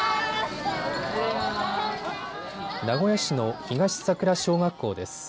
名古屋市の東桜小学校です。